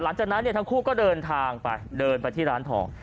หลังจากนั้นเนี่ยทั้งคู่ก็เดินทางไปเดินไปที่ร้านทอง